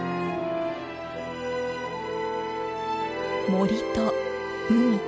森と海。